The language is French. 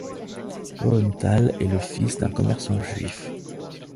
Löwenthal est le fils d'un commerçant juif.